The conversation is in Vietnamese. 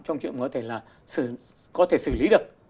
trong chuyện có thể xử lý được